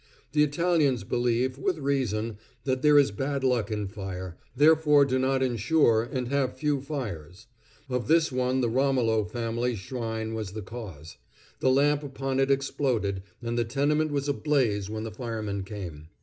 The Italians believe, with reason, that there is bad luck in fire, therefore do not insure, and have few fires. Of this one the Romolo family shrine was the cause. The lamp upon it exploded, and the tenement was ablaze when the firemen came.